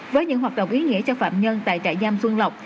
với những hoạt động ý nghĩa cho phạm nhân tại trại giam xuân lộc